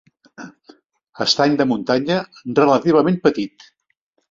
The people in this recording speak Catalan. Estany de muntanya relativament petit.